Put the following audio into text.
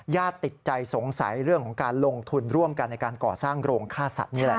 ติดใจสงสัยเรื่องของการลงทุนร่วมกันในการก่อสร้างโรงฆ่าสัตว์นี่แหละ